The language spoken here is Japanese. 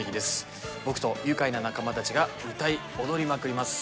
僕と愉快な仲間たちが歌い踊りまくります。